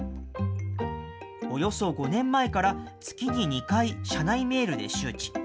およそ５年前から月に２回、社内メールで周知。